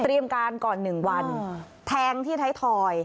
เตรียมการก่อนหนึ่งวันแทงที่ไทยทอย